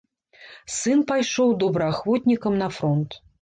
Сын пайшоў добраахвотнікам на фронт.